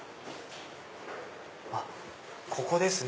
あっここですね！